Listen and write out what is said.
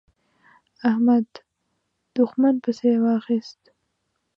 احمد؛ دوښمن پسې واخيست.